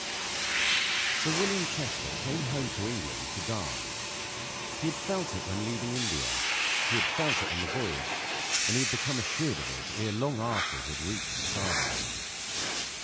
Sir William Chester came home to England to die. He had felt it when leaving India; he had felt it on the voyage, and he had become assured of it ere long after he had reached the fatherland.